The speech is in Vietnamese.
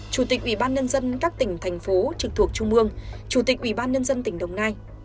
chủ tịch ubnd các tỉnh thành phố trực thuộc trung mương chủ tịch ubnd tỉnh đồng nai